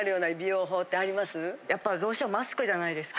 やっぱどうしてもマスクじゃないですか。